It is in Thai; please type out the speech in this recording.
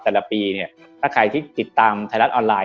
แต่ละปีถ้าใครที่ติดตามถาลันออนไลน์